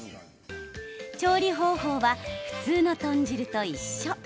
調理方法は、普通の豚汁と一緒。